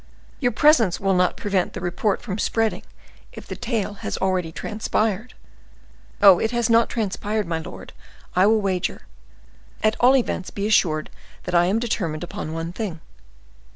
"Your presence will not prevent the report from spreading, if the tale has already transpired." "Oh! it has not transpired, my lord, I will wager. At all events, be assured that I am determined upon one thing."